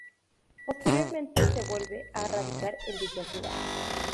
Posteriormente se vuelve a radicar en dicha ciudad.